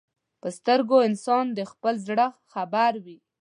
په سترګو انسان د خپل زړه خبر وي